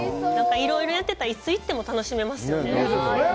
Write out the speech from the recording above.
いろいろやってて、いつ行っても楽しめそうですよね。